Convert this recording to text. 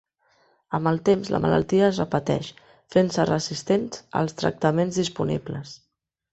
Amb el temps, la malaltia es repeteix, fent-se resistent als tractaments disponibles.